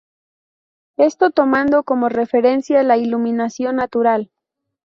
Esto tomando como referencia la iluminación natural.